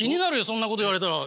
そんなこと言われたら。